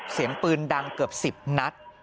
เสียงปืนดังเกือบ๑๐นัด